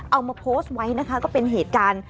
เอามาโพสต์ไว้นะคะก็เป็นเหตุการณ์